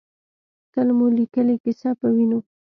تل مو لیکلې ، کیسه پۀ وینو